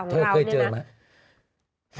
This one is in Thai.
เธอเคยเจอไหม